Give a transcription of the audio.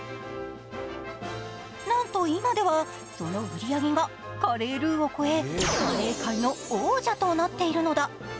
なんと今ではその売り上げはカレールーを超えカレー界の王者となっているのだ。